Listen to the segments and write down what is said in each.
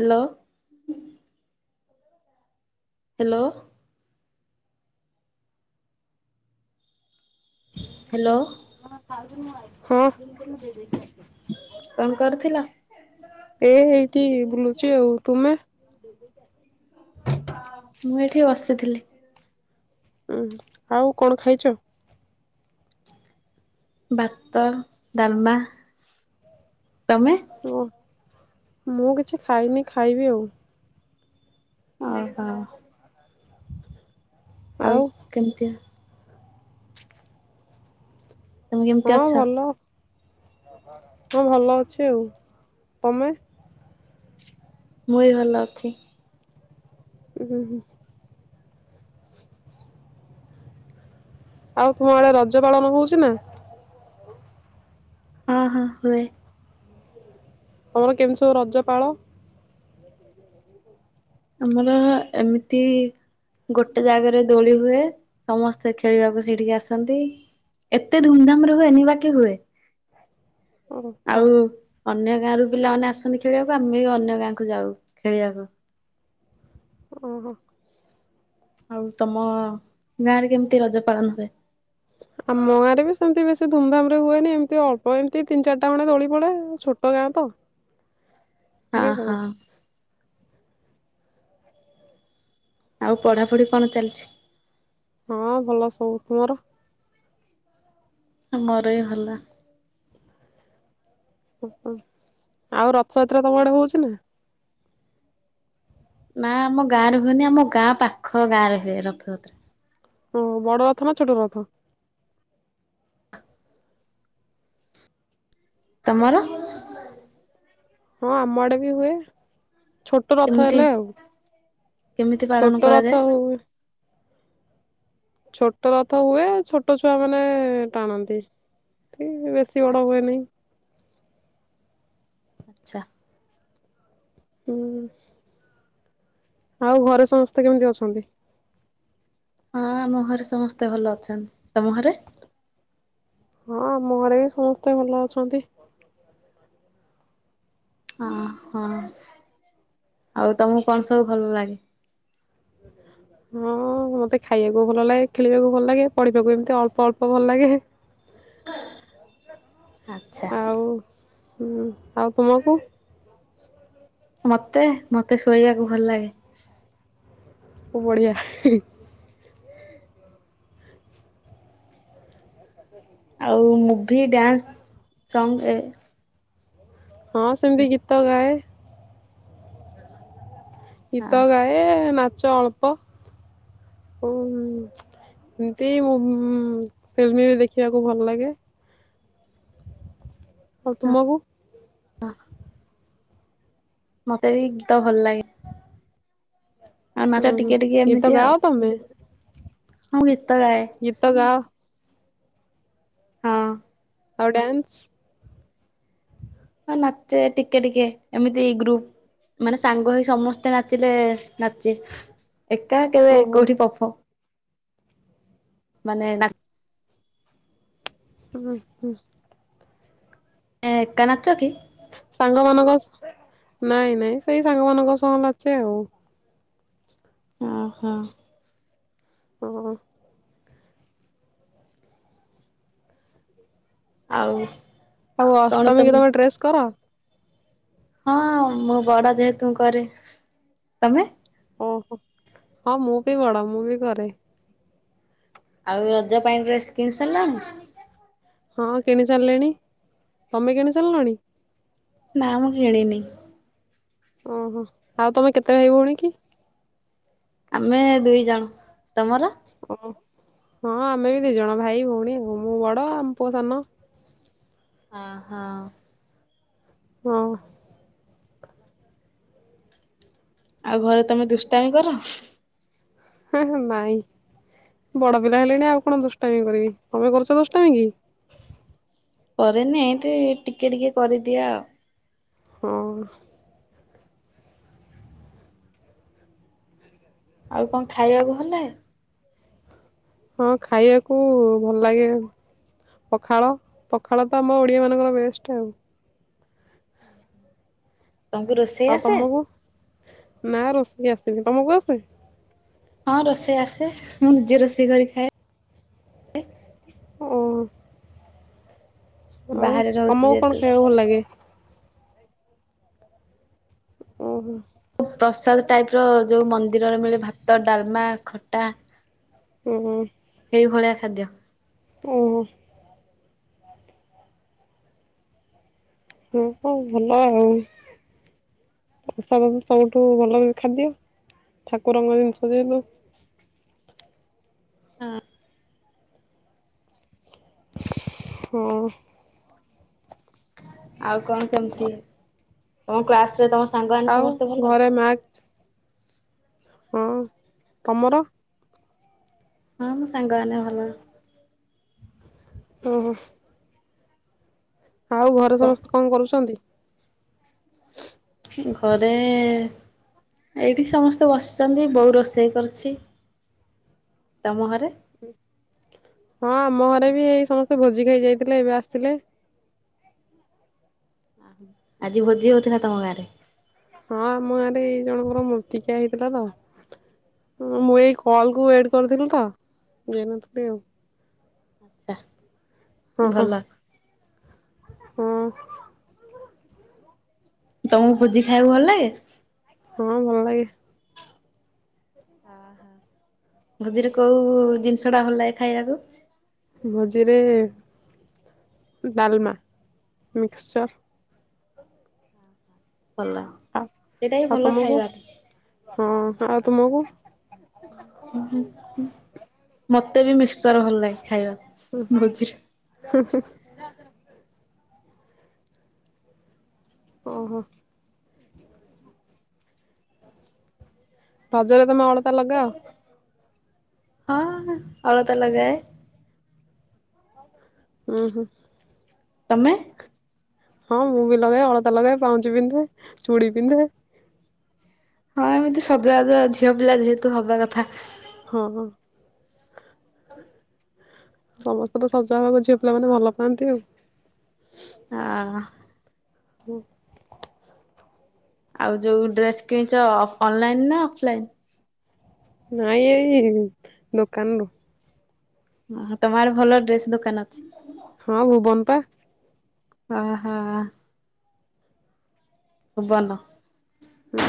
Hello hello hello ହଁ କଣ କରୁଥିଲ? ଏ ଏଇଠି ବୁଲୁଚି ଆଉ ତୁମେ? ହଁ ମୁଁ ଏଠି ବସିଥିଲି। ଉ ଆଉ କଣ ଖାଇଚ? ଭାତ ଡାଲମା ତମେ? ଓ ମୁଁ କିଛି ଖାଇନି ଖାଇବି ଆଉ। ଓହୋ ଆଉ କେମିତିଆ ତମ କେମିତି ହଁ ଅଛା ଭଲ ହଁ ଭଲ ଅଛି ଆଉ ତମେ? ମୁଁ ବି ଭଲ ଅଛି। ହୁଁ ହୁଁ। ଆଉ ତୁମ ଆଡେ ରଜ ପାଳନ ହଉଛି ନା? ହଁ ହଁ ହୁଏ। ଆମର କେମିତି ସବୁ ରଜ ପାଳ ଆମର ଏମିତି ଗୋଟେ ଜାଗାରେ ଦୋଳି ହୁଏ ସମସ୍ତେ ଖେଳିବାକୁ ସେିଠିକି ଆସନ୍ତି ଏତେ ଧୁମଧାମ ରେ ହୁଏନି ବାକି ହୁଏ। ଓହୋ ଆଉ ଅନ୍ୟ ଗାଁ ରୁ ପିଲାମାନେ ଆସନ୍ତି ଖେଳିବାକୁ, ଆମେ ବି ଅନ୍ୟ ଗାଁକୁ ଯାଉ ଖେଳିବାକୁ। ଓହୋ। ଆଉ ତୋମ ଗାଁ ରେ କେମିତି ରଜ ପାଳନ ହୁଏ? ଆମ ଗାଁରେ ବି ସେମିତି ବେଶୀ ଧୁମଧାମ୍ ରେ ହୁଏନି ଏମିତି ଅଳ୍ପ ଏମିତି ତିନି ଚାରିଟା ଖଣ୍ଡେ ଦୋଳି ପଡେ, ଛୋଟ ଗାଁ ତ। ଓ ଏମିତି ଆଉ ହଁ। ଆଉ ପଢ଼ାପଢ଼ି କଣ ଚାଲିଛି? ହଁ ଭଲ ସବୁ, ତୁମର? ମୋର ବି ଭଲ। ଓହୋ, ଆଉ ରଥଯାତ୍ରା ତୋମ ଆଡ଼େ ହଉଚି ନା? ନା ଆମ ଗାଁରେ ହୁଏନି, ଆମ ଗାଁ ପାଖ ଗାଁରେ ହୁଏ ରଥଯାତ୍ରା। ଓ ବଡ଼ ରଥ ନା ଛୋଟ ରଥ? ତୋମର? ହଁ ଆମ ଆଡ଼େ ବି ହୁଏ। ଛୋଟ ରଥ କେମିତି ହେଲେ, ଆଉ କେମିତି ପାଳନ ଛୋଟ କରାଯାଏ? ରଥ ହୁ ଛୋଟ ରଥ ହୁଏ, ଛୋଟ ଛୁଆ ମାନେ ଟାଣନ୍ତି। ଏ ବେଶୀ ବଡ଼ ହୁଏନାହିଁ। ଆଚ୍ଛା। ହୁଁ ଆଉ ଘରେ ସମସ୍ତେ କେମିତି ଅଛନ୍ତି? ହଁ ଆମ ଘରେ ସମସ୍ତେ ଭଲ ଅଛନ୍ତି, ତୋମ ଘରେ? ହଁ ଆମ ଘରେ ବି ସମସ୍ତେ ଭଲ ଅଛନ୍ତି। ହଁ ହଁ ଆଉ ତୋମକୁ କଣ ସବୁ ଭଲ ଲାଗେ? ହଁ ମୋତେ ଖାଇବାକୁ ଭଲ ଲାଗେ, ଖେଳିବାକୁ ଭଲ ଲାଗେ, ପଢ଼ିବାକୁ ଏମତି ଅଳ୍ପ ଅଳ୍ପ ଭଲ ଲାଗେ। ଆଚ୍ଛା। ଆଉ ହୁଁ ଆଉ ତୁମକୁ? ମତେ ମତେ ଶୋଇବାକୁ ଭଲ ଲାଗେ। ବଢ଼ିଆ। ଆଉ ମୁଭି, ଡ୍ୟାନ୍ସ, ସଙ୍ଗ ଏ ହଁ ସେମିତି ଗୀତ ଗାଏ। ଗୀତ ଆଉ ଗାଏ ନା ଚ ଅଳ୍ପ ଏମ-ଏମତି ମୁଁ ଫିଲ୍ମ ବି ଦେଖିବାକୁ ଭଲ ଲାଗେ। ଆଉ ତୁମକୁ? ବାଃ ମୋତେ ବି ଗୀତ ଭଲ ଲାଗେ। ଆଉ ନାଚ ହଁ ହଁ ଟିକେ ଗୀତ ଗାଅ ତୋମେ? ହଁ ଗୀ ଗୀତ ଗାଅ ହଁ। ଆଉ ଡ୍ୟାନ୍ସ? ହଁ ନାଚେ, ଟିକେ ଟିକେ ଏମିତି ଗ୍ରୁପ ମାନେ ସାଙ୍ଗ ହେଇ ସମସ୍ତେ ନାଚିଲେ ନାଚେ। ଏକା କେବେ ଓହୋ କୋଉଠି ପଫ ମାନେ ନା ହୁଁ ହୁଁ। ଏ ଏକା ନାଚ କି? ସାଙ୍ଗମାନଙ୍କ ନାଇଁ ନାଇଁ ସେଇ ସାଙ୍ଗମାନଙ୍କ ସହ ନାଚେ ଆଉ। ଓହୋ। ଓ। ଆଉ ଆଉ ଅଷ୍ଟମୀ କି ତମେ ଡ୍ରେସ୍ କର? ହଁ ମୁଁ ବଡ ଯେହେତୁ, କରେ ତୋମେ? ଓହୋ, ହଁ ମୁଁ ବି ବଡ, ମୁଁ ବି କରେ। ଆଉ ରଜ ପାଇଁ ଡ୍ରେସ୍ କିଣି ସାରିଲଣି? ହଁ କିଣି ସାରିଲେଣି, ତୋମେ କିଣି ସାରିଲଣି? ନା ମୁଁ କିଣିନି। ଓହୋ, ଆଉ ତୋମେ କେତେ ଭାଇ ଭଉଣୀ କି? ଆମେ ଦୁଇ ଜଣ, ତୋମର? ଓ, ହଁ ଆମେ ବି ଦି ଜଣ ଭାଇ ଭଉଣୀ ମୁ- ମୁଁ ବଡ ଆମ ପୁଅ ସାନ। ହଁ ହଁ। ହଁ। ଆଉ ଘରେ ତୋମେ ଦୁଷ୍ଟାମୀ କର? ନାଇଁ ବଡ ପିଲା ହେଲେଣି ଆଉ କଣ ଦୁଷ୍ଟାମି କରିବି, ତୋମେ କରୁଚ ଦୁଷ୍ଟାାମି କି? କରେନି, ଏମତି ଟିକେ ଟିକେ କରିଦିଏ, ଆଉ। ହଁ। ଆଉ କଣ ଖାଇବାକୁ ଭଲ ଲାଗେ? ହଁ ଖାଇବାକୁ ଭଲ ଲାଗେ ପଖାଳ ପଖାଳ ତ ଆମ ଓଡ଼ିଆ ମାନଙ୍କର ବେଷ୍ଟ ଆଉ। ତୋମକୁ ରୋଷେଇ ଆଉ ଆସେ? ତମକୁ? ନା ରୋଷେଇ ଆସିନେ, ତୋମକୁ ଆସେ? ହଁ ରୋଷେଇ ଆସେ, ମୁଁ ନିଜେ ରୋଷେଇ କରି ଖାଏ। ଓ। ଆଉ ବାହାରେ ରହୁଛି ତୋମକୁ ଯେହେତୁ। କଣ ଖାଇବାକୁ ଭଲ ଲାଗେ? ଓହୋ। ପ୍ରସାଦ ଟାଇପ୍ ର ଯୋଉ ମନ୍ଦିରରେ ମିଳେ ଭାତ, ଡାଲମା ଖଟା ହୁଁ ହୁଁ। ସେଇ ଭଳିଆ ଖାଦ୍ୟ। ଓ ହୋ। ହଁ ହଁ ଭଲ ଆଉ ପ୍ରସାଦ ସବୁଠୁ ଭଲ ଖାଦ୍ୟ, ଠାକୁରଙ୍କ ଜିନିଷ ଯେହେତୁ। ହଁ। ହଁ। ଆଉ କଣ କେମିତି ତୋମ କ୍ଲାସ୍ ରେ ତୋମ ଆଉ ଘରେ ମା ହଁ, ତୋମର? ହଁ ମୋ ସାଙ୍ଗମାନେ ଭଲ। ଓହୋ। ଆଉ ଘରେ ସମସ୍ତେ କଣ କରୁଛନ୍ତି? ଘରେ ଏଇଠି ସମସ୍ତେ ବସିଛନ୍ତି ବୋଉ ରୋଷେଇ କରୁଛି। ତମ ଘରେ? ହଁ ଆମ ଘରେ ବି ଏଇ ସମସ୍ତେ ଭୋଜି ଖାଇ ଯାଇଥିଲେ ଏବେ ଆସିଥିଲେ। ଆଜି ଭୋଜି ହଉଥିଲା ତମ ଗାଁରେ? ହଁ ଆମ ଗାଁ ରେ ଏଇ ଜଣଙ୍କର ମୂର୍ତ୍ତିକିଆ ହେଇଥିଲା ତ। ମୁଁ ଏଇ କଲ କୁ ୱେଟ କରିଥିଲି ତ ଯାଇନଥିଲି ଆଉ। ଆଚ୍ଛା ଭଲ ହ। ତମକୁ ଭୋଜି ଖାଇବାକୁ ଭଲ ଲାଗେ? ହଁ ଭଲ ଲାଗେ। ଓହୋ ଭୋଜିରେ କୋଉ ଜିନିଷ ଟା ଭଲା ଲାଗେ ଖାଇବାକୁ? ଭୋଜିରେ ଡାଲମା ମିକ୍ସଚର୍ ଭଲ ଆଉ ସେଇଟା ହି ଆଉ ଭଲ ତମକୁ? ଖାଇବାଟା। ହଁ ଆଉ ତୁମକୁୁ? ହୁ ହ ହୁ। ମୋତେ ବି ମିକ୍ସଚର୍ ଭଲ ଲାଗେ। ଖାଇବା ହୁଁ ଓହୋ ରଜରେ ତମେ ଅଳତା ଲଗାଅ? ହଁ ଅଳତା ଲଗାଏ। ଓ ହୋ ତମେ? ହଁ ମୁଁ ବି ଲଗାଏ ଅଳତା ଲଗାଏ ପାଉଁଜି ପିନ୍ଧେ ଚୁଡି ପିନ୍ଧେ। ହଁ ଏମିତି ସଜବାଜ ଝିଅ ପିଲା ଯେହେତୁ ହବା କଥା। ହଁ ହଁ ସମସ୍ତେ ତ ସଜହେବାକୁ ଝିଅ ପିଲାମାନେେ ଭଲ ପାଆନ୍ତି ଆଉ। ହଁ ହୁଁ ଆଉ ଯୋଉ ଡ୍ରେସ୍ କିଣିଛ ଅ ଅନଲାଇନ ନା ଅଫଲାଇନ? ନାଇଁ ଏଇ ଦୋକାନରୁ। ଓହ ତମ ଆଡେ ଭଲ ଡ୍ରେସ୍ ଦୋକାନ ଅଛି। ହଁ ଭୁବନ ପା। ଓହ ଭୁବନ। ହ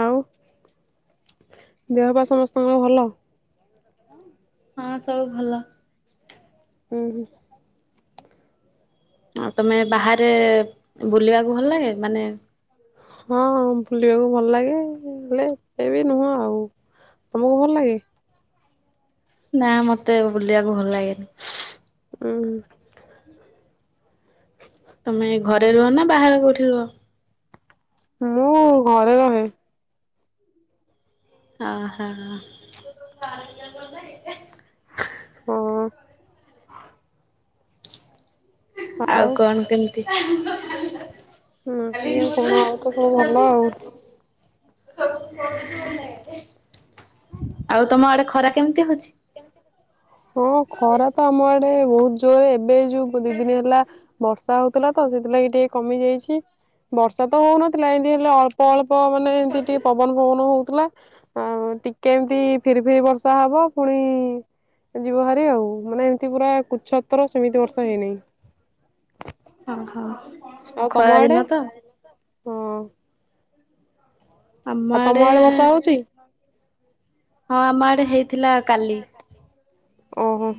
ଆଉ ଦେହ ପା ସମସ୍ତଙ୍କର ଭଲ? ହଁ ସବୁ ଭଲ। ହୁଁ ହୁଁ ଆଉ ତମେ ବାହାରେ ବୁଲିବାକୁ ଭଲ ଲାଗେ ମାନେ ହଁ ବାକୁ ଭଲ ଲାଗେ ହେଲେ ଏ ବି ନୁହଁ। ଆଉ ତମକୁ ଭଲ ଲାଗେ? ନା ମତେ ବୁଲିବାକୁ ଭଲ ଲାଗେନି। ହୁଁ ତମେ ଘରେ ରୁହ ନା ବାହାର କୋଉଠି ରୁହ? ମୁଁ ଘରେ ରହେ। ହ ହ। ହଁ। ଆଉ କଣ କେମ୍ ତି ବାକି ଆଉ କଣ ଆଉ ତ ସବୁ ଭଲ ଆଉ [unintelligible] ଆଉ ତମ ଆଡେ ଖରା କେମିତି ହୋଉଚି? ହଁ ଖରା ତ ଆମଆ ବ ବୋହୁତ୍ ଜୋର୍ ବେ ଯୋଉ ଦି ଦିନି ହେଲା ବର୍ଷା ହୋଉଥୁଲା ତ ସେଥିଲାଗି ଟିକେ କମି ଯାଇଛି। ବର୍ଷା ତ ହୋଉନଥିଲା ଏତି ହେଲେ ଆଟା ଏଳେ ପ ମାନେ ଏମିତି ଟିକେ ପବନ୍ ଫବନ୍ ହୋଉ ତୁଲା ଆଉ ଟିକେ ଏମିତି ଫିରି ଫିରି ବର୍ଷା ହବ ପୁଣି ଇ-ଇ-ଇ ଯିବ ଭାରି ଆଉ ମାନେ ଏମିତି ପୁରା କୁଛ ତର ସେମିତି ବର୍ଷା ହୋଇନାହିଁ ଓହୋ ଆଉ ତମ ଆଡେ ଖରାଦିନ ତ ହଁ। ଆଉ ତମ ଆଡେ ବର୍ଷା ହୋଉଚି? ହଁ ଆମ ଆଡେ ହେଇଥିଲା କାଲି। ଓହୋ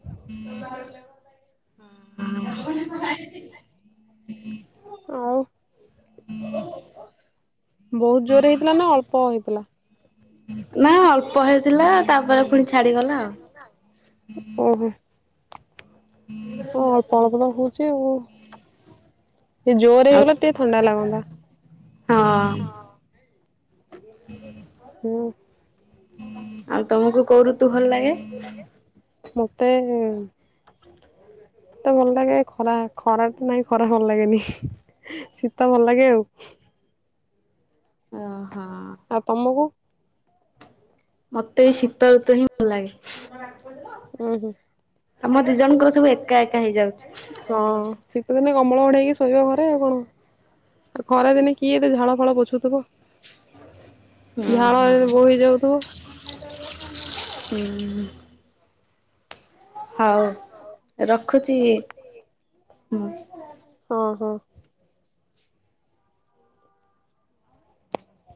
[inaudible] ଆଉ। [inaudible] ବହୁତ୍ ଜୋରେ ହେଇଥିଲା ନା ଅଳ୍ପ ହେଇଥିଲା? ନା ଅଳ୍ପ ହେଇଥିଲା ତାପରେ ପୁଣି ଛାଡିଗଲା ଆଉ। ଓହୋ ହଁ ଅଳ୍ପ ଅଳ୍ପ ତ ହୋଉଚି ଆଉ। ଟିକେ ଜୋରେ ଆଉ ହେଇଗଲେ ଟିକେ ଥଣ୍ଡା ହଁ ଲାଗନ୍ତା। [inaudible] ହୁଁ। ଆଉ ତମୁକୁ କୋଉ ଋତୁ ଭଲ ଲାଗେ? ମୋତେ ଏ-ଏ ତେ ଭଲ୍ ଲାଗେ ଖରା ଖରା ନାଇଁ ଖରା ଭଲ୍ ଲାଗେନି। ଶୀତ ଭଲ ଲାଗେ ଆଉ। ଅ ହଁ। ଆଉ ତମକୁ ମତେ ଏଇ ଶୀତ ଋତୁ ହିଁ ଭଲ ଲାଗେ। ଉ ହୁଁ। ଆମ ଦି ଜଣଙ୍କର ସବୁ ଏକା ଏକା ହେଇଯାଉଚି। ତ ଦିନେ କମଳ ଘୋଡ଼େଇ ହେଇକି ଶୋଇବ ଘରେ ଆଉ କଣ। ଖରା ଦିନେ କିଏ ଏତେ ଝାଳ ଫାଳ ପୋଛୁଥୁବ। ଓହୋ ଝାଳରେ ବୋହି ଯାଉଥୁବ। ହୁଁ। ହଉ ରଖୁଚି ହୁଁ। ଓ ହୋ।